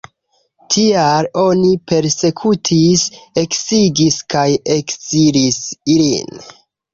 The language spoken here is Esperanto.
Tial oni persekutis, eksigis kaj ekzilis lin.